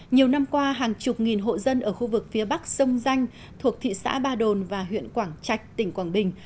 nhiều năm qua hàng chục nghìn hộ dân ở khu vực phía bắc sông danh thuộc thị xã ba đồn và huyện quảng trạch tỉnh quảng bình